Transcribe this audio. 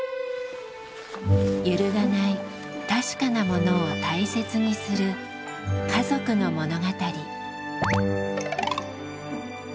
揺るがない「確かなもの」を大切にする家族の物語。